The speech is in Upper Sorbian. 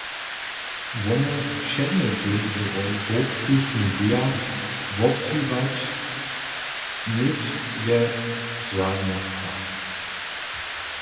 Wone předmjety w europskich muzejach wobdźiwać směć je žadnostka.